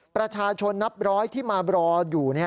ประชาชนนับร้อยที่มารออยู่